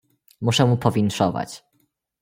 "Muszę mu powinszować."